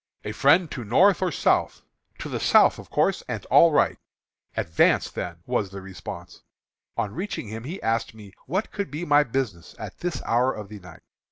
"'A friend to North or South?' "'To the South, of course, and all right.' "'Advance, then,' was the response. On reaching him, he asked me what could be my business at this hour of the night.